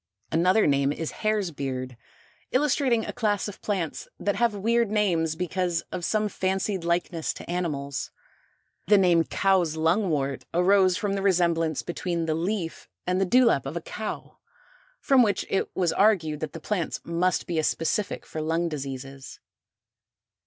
Another name is Hare's Beard, illustrating a class of plants that have weird names because of some fancied likeness to animals. The name Cow's Lungwort, arose from the resemblance between the leaf and the dewlap of a cow, from which it was argued that the plant must be a specific for lung diseases.